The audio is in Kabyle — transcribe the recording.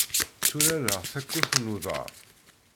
Tturareɣ takurt n uḍar.